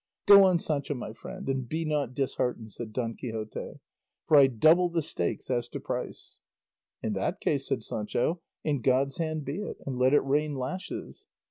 "Go on, Sancho my friend, and be not disheartened," said Don Quixote; "for I double the stakes as to price." "In that case," said Sancho, "in God's hand be it, and let it rain lashes."